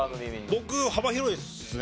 僕幅広いですね。